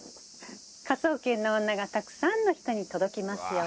「『科捜研の女』がたくさんの人に届きますように」